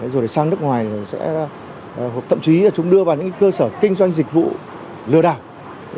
rồi sang nước ngoài sẽ tậm chí chúng đưa vào những cơ sở kinh doanh dịch vụ lừa đảo